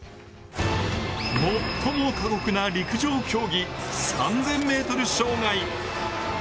最も過酷な陸上競技、３０００ｍ障害。